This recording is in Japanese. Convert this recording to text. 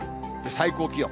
最高気温。